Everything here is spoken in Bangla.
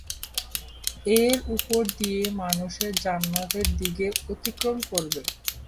এর উপর দিয়ে মানুষ জান্নাতের দিকে অতিক্রম করবে।